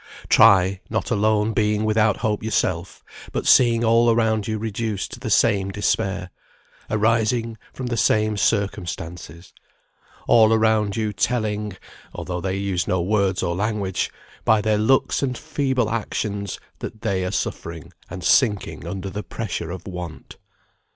Try, not alone being without hope yourself, but seeing all around you reduced to the same despair, arising from the same circumstances; all around you telling (though they use no words or language), by their looks and feeble actions, that they are suffering and sinking under the pressure of want.